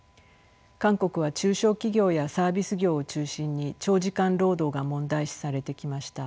韓国は中小企業やサービス業を中心に長時間労働が問題視されてきました。